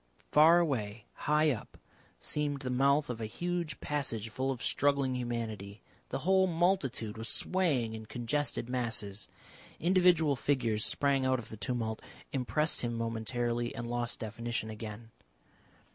Far away, high up, seemed the mouth of a huge passage full of struggling humanity. The whole multitude was swaying in congested masses. Individual figures sprang out of the tumult, impressed him momentarily, and lost definition again.